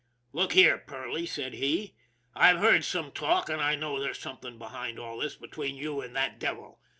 " Look here, Perley," said he, " I've heard some talk, and I know there's something behind all this be tween you and that devil.